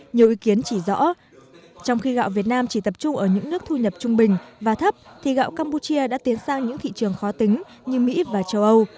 nhiều ý kiến chỉ rõ trong khi gạo việt nam chỉ tập trung ở những nước thu nhập trung bình và thấp thì gạo campuchia đã tiến sang những thị trường khó tính như mỹ và châu âu